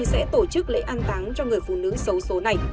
sẽ tổ chức lễ an táng cho người phụ nữ xấu số này